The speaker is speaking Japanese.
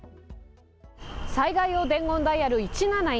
災害用伝言ダイヤル１７１。